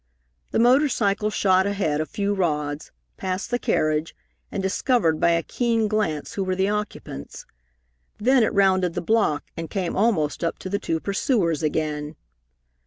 The motor cycle shot ahead a few rods, passed the carriage, and discovered by a keen glance who were the occupants. Then it rounded the block and came almost up to the two pursuers again.